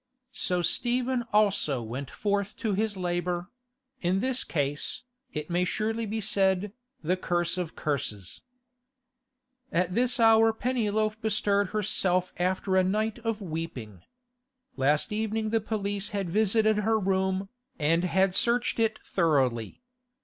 So Stephen also went forth to his labour—in this case, it may surely be said, the curse of curses. ... At this hour Pennyloaf bestirred herself after a night of weeping. Last evening the police had visited her room, and had searched it thoroughly.